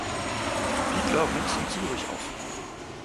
Bigler wuchs in Zürich auf.